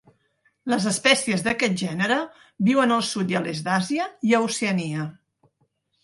Les espècies d'aquest gènere viuen al sud i a l'est d'Àsia i a Oceania.